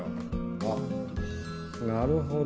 あっなるほど。